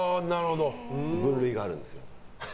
分類があるんです。